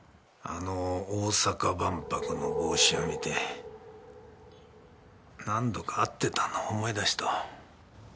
あの大阪万博の帽子を見て何度か会ってたのを思い出した。